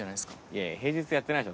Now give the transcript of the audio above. いやいや平日やってない。